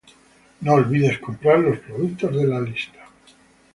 No olvides comprar los productos de la lista